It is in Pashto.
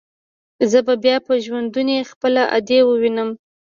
زه به بيا په ژوندوني خپله ادې ووينم.